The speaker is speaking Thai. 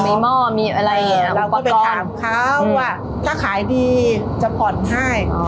มีหม้อมูลมีอะไรแบบนี้เนี่ยก็ไปถามเขาอะถ้าขายดีจะพอดให้